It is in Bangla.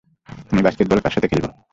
আমি বাস্কেটবল কার সাথে খেলবো?